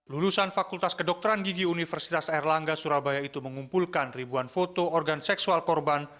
lulusan fakultas kedokteran gigi universitas erlangga surabaya itu mengumpulkan ribuan foto organ seksual korban